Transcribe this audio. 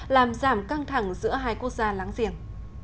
làm giảm căng thẳng giữa hai quốc gia láng giềng